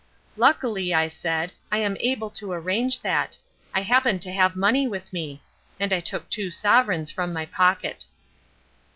"Luckily," I said, "I am able to arrange that. I happen to have money with me." And I took two sovereigns from my pocket.